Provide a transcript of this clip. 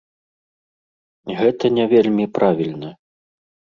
Гэта не вельмі правільна.